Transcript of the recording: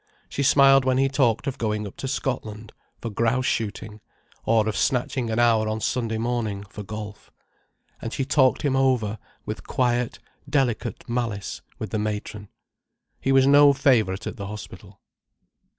She smiled when he talked of going up to Scotland, for grouse shooting, or of snatching an hour on Sunday morning, for golf. And she talked him over, with quiet, delicate malice, with the matron. He was no favourite at the hospital.